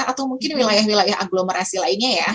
atau mungkin wilayah wilayah agglomerasi lainnya ya